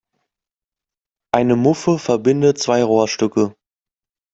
Eine Muffe verbindet zwei Rohrstücke.